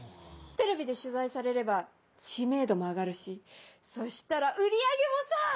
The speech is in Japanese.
テレビで取材されれば知名度も上がるしそしたら売り上げもさぁ！